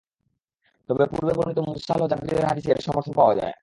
তবে পূর্বে বর্ণিত মুরসাল ও জাবিরের হাদীসে এর সমর্থন পাওয়া যায়।